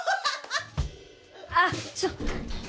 あっちょ。